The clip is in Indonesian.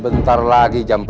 jangan deketin aku